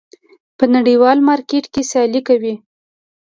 په نړیوال مارکېټ کې سیالي کوي.